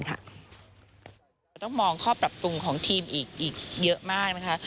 เราต้องมองข้อปรับปรุงของทีมอีกเยอะมากนะคะ